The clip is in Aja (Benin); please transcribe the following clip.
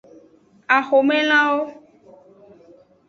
Axomelanwo.